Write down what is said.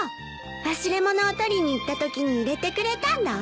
忘れ物を取りに行ったときに入れてくれたんだわ。